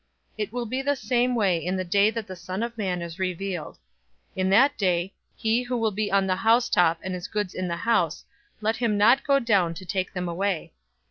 017:030 It will be the same way in the day that the Son of Man is revealed. 017:031 In that day, he who will be on the housetop, and his goods in the house, let him not go down to take them away.